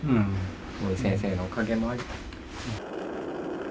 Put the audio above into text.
森先生のおかげもあり。